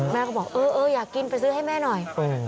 แม่ก็บอกเอออยากกินไปซื้อให้แม่หน่อย